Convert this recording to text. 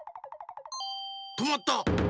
とまった！